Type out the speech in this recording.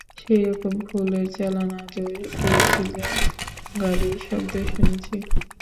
সেইরকম ফুলের চালান আজও গিয়েছিল, গাড়ির শব্দ শুনেছি।